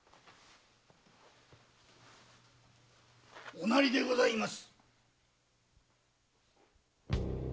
おなりでございます！